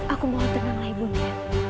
aku mohon tenanglah ibu nda